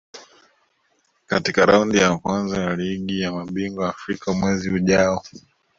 katika Raundi ya Kwanza ya Ligi ya Mabingwa Afrika mwezi ujao